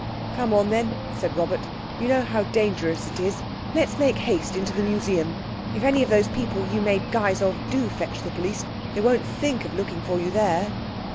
"Come on then," said Robert. "You know how dangerous it is. Let's make haste into the Museum. If any of those people you made guys of do fetch the police, they won't think of looking for you there."